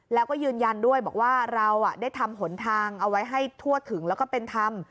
แล้วก็ยืนยันด้วยบอกว่าเราได้ทำหนทางเอาไว้ให้ทั่วถึงแล้วก็เป็นธรรม